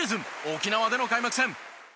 沖縄での開幕戦。